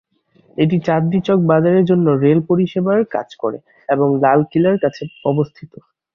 এটি চাঁদনী চক বাজারের জন্য রেল পরিষেবার কাজ করে এবং লাল কিলার কাছে অবস্থিত।